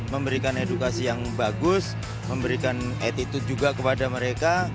memberikan edukasi yang bagus memberikan attitude juga kepada mereka